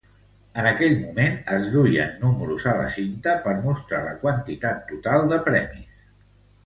En aquell moment, es duien números a la cinta per mostrar la quantitat total de premis.